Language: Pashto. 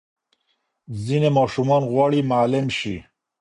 ځینې ماشومان غواړي معلم شي.